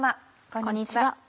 こんにちは。